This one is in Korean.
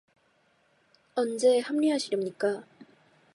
언제 합류하시렵니까?